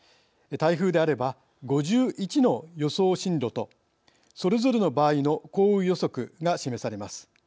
台風であれば５１の予想進路とそれぞれの場合の降雨予測が示されます。